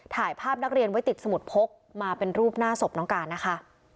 ถ่ายภาพนักเรียนไว้ติดสมุดพกมาเป็นรูปหน้าศพน้องการนะคะ